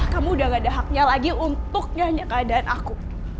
kamu udah gak ada haknya lagi untuk nyanyi keadaan aku